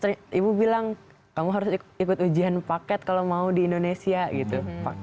terus ibu bilang kamu harus ikut ujian paket kalau mau di indonesia gitu